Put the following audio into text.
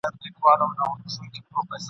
د هیل چای څښل ذهن اراموي او اضطراب کموي.